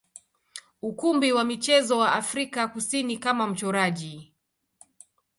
ukumbi wa michezo wa Afrika Kusini kama mchoraji.